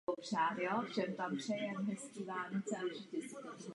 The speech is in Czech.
Formulace ve zprávě v tomto smyslu je dobrá.